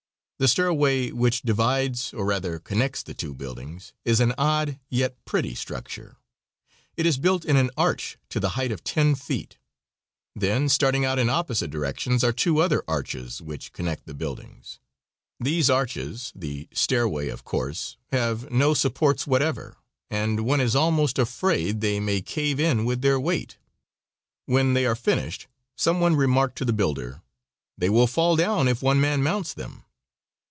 The stairway which divides, or rather connects, the two buildings is an odd yet pretty structure. It is built in an arch to the height of ten feet. Then starting out in opposite directions are two other arches, which connect the buildings. These arches the stairway, of course have no supports whatever, and one is almost afraid they may cave in with their weight. When they were finished some one remarked to the builder, "They will fall down if one man mounts them."